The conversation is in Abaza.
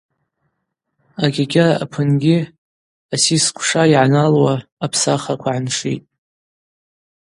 Агьагьара апынгьи асисквша йгӏаналауа апсахраква гӏаншитӏ.